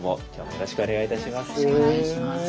よろしくお願いします。